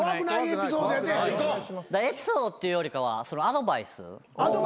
エピソードっていうよりかはアドバイス。